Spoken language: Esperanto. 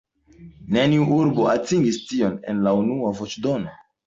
Neniu urbo atingis tion en la unua voĉdono.